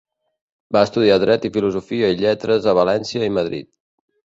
Va estudiar Dret i Filosofia i Lletres a València i Madrid.